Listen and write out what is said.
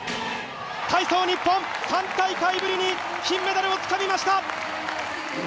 体操日本、３大会ぶりに金メダルをつかみました。